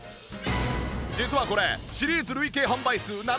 実はこれシリーズ累計販売数７６万